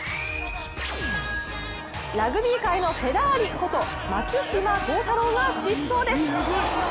ラグビー界のフェラーリこと松島幸太朗が疾走です。